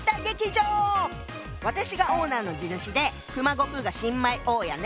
私がオーナーの地主で熊悟空が新米大家ね。